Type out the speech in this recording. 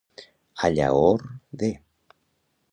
A llaor de.